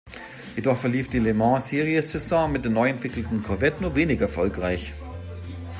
Jedoch verlief die Le-Mans-Series-Saison mit der neuentwickelten Corvette nur wenig erfolgreich.